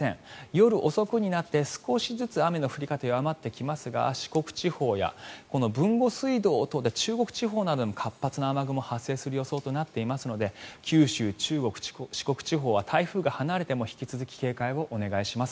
夜遅くになって少しずつ、雨の降り方弱まってきますが四国地方、豊後水道を通って中国地方などに活発な雨雲が発生する予想となっていますので九州、四国地方は引き続き警戒をお願いします。